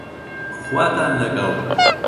خواتان لەگەڵ